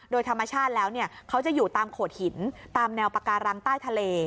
โดยธรรมชาติแล้วเขาจะอยู่ตามโขดหินตามแนวปาการังใต้ทะเล